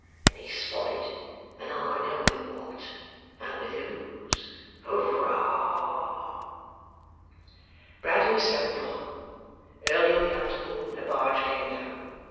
And he's spotted, and I know with what, and with whose. Hooroar!' Bradley slept long. Early in the afternoon a barge came down.